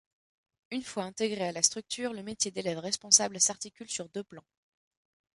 Une fois intégré à la structure, le métier d'élève responsable s’articule sur deux plans.